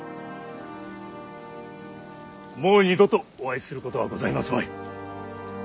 もう二度とお会いすることはございますまい。